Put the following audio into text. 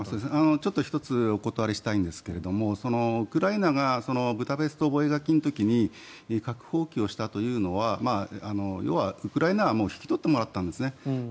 １つ付け加えたいんですがウクライナがブダペスト覚書の時に核放棄をしたというのは要はウクライナはもう引き取ってもらったんですね。